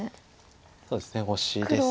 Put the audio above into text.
そうですねオシです。